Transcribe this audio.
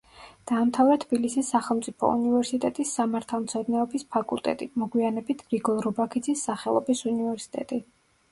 დაამთავრა თბილისის სახელმწიფო უნივერსიტეტის სამართალმცოდნეობის ფაკულტეტი, მოგვიანებით გრიგოლ რობაქიძის სახელობის უნივერსიტეტი.